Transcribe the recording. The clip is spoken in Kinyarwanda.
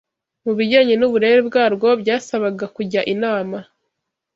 mu bijyanye n’uburere bwarwo byasabaga kujya inama